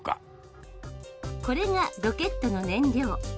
これがロケットの燃料。